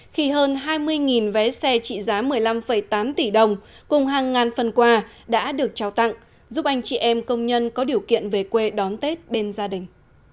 khi hơn hai mươi vé xe trị giá một mươi năm tám tỷ đồng cùng hàng ngàn phần quà đã được trao tặng giúp anh chị em công nhân có điều kiện về quê đón tết bên gia đình